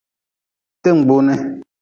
Ti-n gbuu ni.